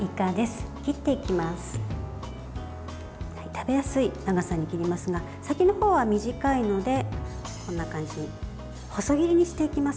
食べやすい長さに切りますが先の方は短いので、こんな感じに細切りにしていきます。